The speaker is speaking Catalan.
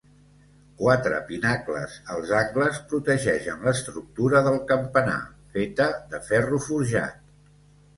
Quatre pinacles als angles protegeixen l'estructura del campanar, feta de ferro forjat.